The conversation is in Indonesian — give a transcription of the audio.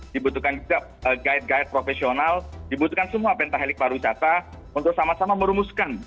dibutuhkan juga guide guide profesional dibutuhkan semua pentahelik pariwisata untuk sama sama merumuskan